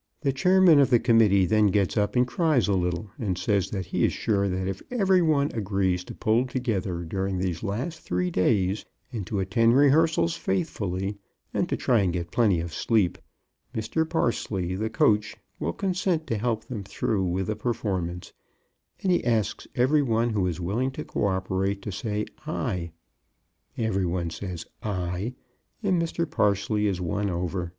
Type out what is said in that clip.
"] The Chairman of the Committee then gets up and cries a little, and says that he is sure that if every one agrees to pull together during these last three days and to attend rehearsals faithfully and to try to get plenty of sleep, Mr. Parsleigh, the coach, will consent to help them through with the performance, and he asks every one who is willing to coöperate to say "Aye." Every one says "Aye" and Mr. Parsleigh is won over.